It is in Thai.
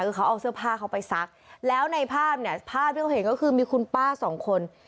คือเขาเอาเสื้อผ้าเขาไปซักแล้วในภาพเนี่ยภาพที่เขาเห็นก็คือมีคุณป้าสองคน